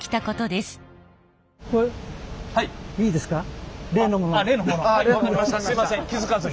すいません気付かずに。